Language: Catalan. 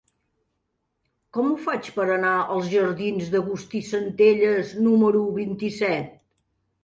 Com ho faig per anar als jardins d'Agustí Centelles número vint-i-set?